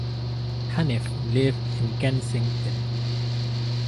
Hanif lives in Kensington.